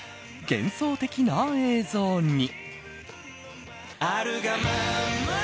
幻想的な映像に。